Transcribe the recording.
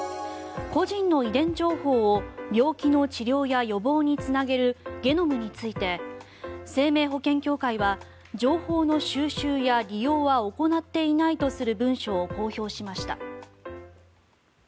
個人の遺伝情報を病気の治療や予防につなげるゲノムについて生命保険協会は情報の収集や利用は行っていないとする文書を公表しました。